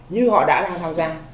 như họ đã đang tham gia